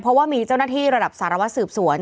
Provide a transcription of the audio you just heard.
เพราะว่ามีเจ้าหน้าที่ระดับสารวัตรสืบสวน